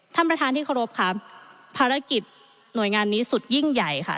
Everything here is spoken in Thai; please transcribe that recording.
ท่านประธานที่เคารพครับภารกิจหน่วยงานนี้สุดยิ่งใหญ่ค่ะ